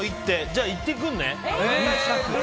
じゃあ行ってくるね。